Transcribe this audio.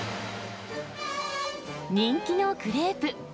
人気のクレープ。